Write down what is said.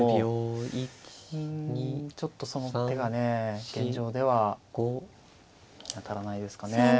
うんちょっとその手がね現状では見当たらないですかね。